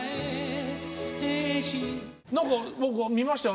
何か見ましたよ。